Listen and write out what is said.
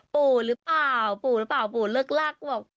ปู่หรือเปล่าปูหรือเปล่าปู่แลกแรกเพราะว่า